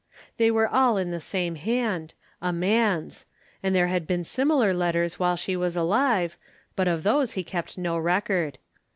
They were all in the same hand, a man's, and there had been similar letters while she was alive, but of these he kept no record.